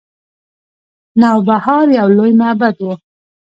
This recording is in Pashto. نوبهار یو لوی معبد و